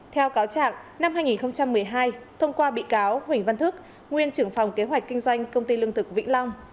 theo cáo trạng năm hai nghìn một mươi hai thông qua bị cáo huỳnh văn thức nguyên trưởng phòng kế hoạch kinh doanh công ty lương thực vĩnh long